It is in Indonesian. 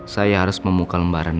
saya harus memuka lembaran baru